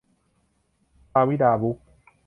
ภาวิดา บุ๊ค